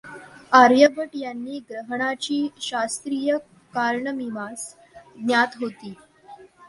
आर्यभट्ट यांना ग्रहणाची शास्त्रीय कारणमीमांसा ज्ञात होती.